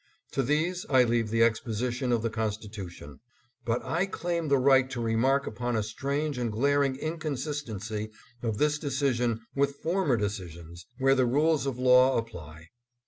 To these I leave the exposition of the Constitu ADDBESS AT LINCOLN HALL. 663 tion ; but I claim the right to remark upon a strange and glaring inconsistency of this decision with former decisions, where the rules of law apply.